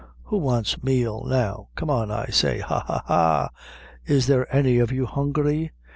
Who wants meal now? Come on, I say ha, ha, ha! Is there any of you hungry?